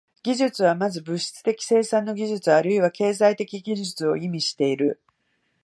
技術は先ず物質的生産の技術あるいは経済的技術を意味している。